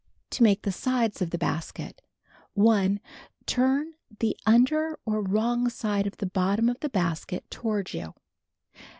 To Make the Sides of the Bas ket: 1. Turn the under or wrong side of the bottom of the basket toward you.